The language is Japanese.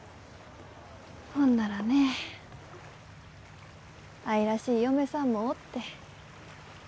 ほんならね愛らしい嫁さんもおって。